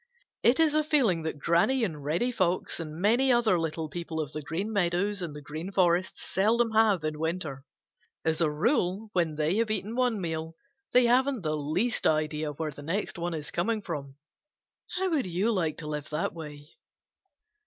It is a feeling that Granny and Reddy Fox and many other little people of the Green Meadows and the Green Forest seldom have in winter. As a rule, when they have eaten one meal, they haven't the least idea where the next one is coming from. How would you like to live that way?